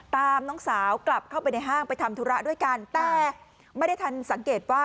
น้องสาวกลับเข้าไปในห้างไปทำธุระด้วยกันแต่ไม่ได้ทันสังเกตว่า